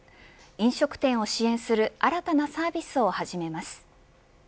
飲食店を支援する新たなサービスを始めます。